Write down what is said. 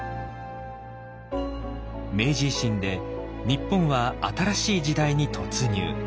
明治維新で日本は新しい時代に突入。